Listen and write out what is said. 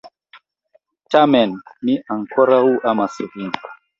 Tamen, mi ankoraŭ amas vin.